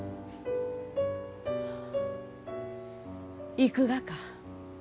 行くがか？